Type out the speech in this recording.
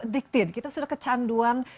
addicted kita sudah kecanduan